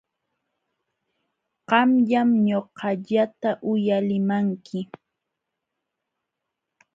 Qamllam ñuqallata uyalimanki.